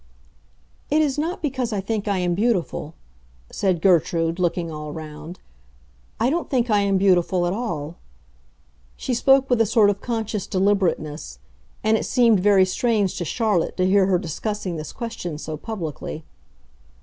"It is not because I think I am beautiful," said Gertrude, looking all round. "I don't think I am beautiful, at all." She spoke with a sort of conscious deliberateness; and it seemed very strange to Charlotte to hear her discussing this question so publicly.